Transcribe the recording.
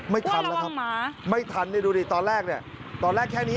ไม่ทันแล้วครับไม่ทันเนี่ยดูดิตอนแรกเนี่ยตอนแรกแค่นี้